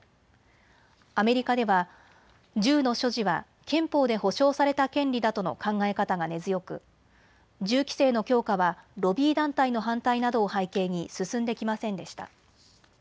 アメリカでは銃の所持は憲法で保障された権利だとの考え方が根強く、銃規制の強化はロビー団体の反対などを背景に進んできませんでした。